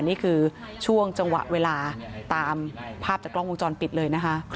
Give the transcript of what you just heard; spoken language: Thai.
นี่คือช่วงจังหวะเวลาตามภาพจากกล้องวงจรปิดเลยนะคะ